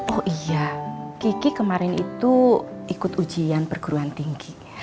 oh iya kiki kemarin itu ikut ujian perguruan tinggi